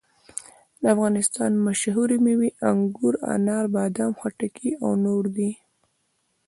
د افغانستان مشهورې مېوې انګور، انار، بادام، خټکي او نورې دي.